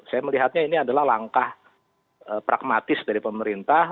saya melihatnya ini adalah langkah pragmatis dari pemerintah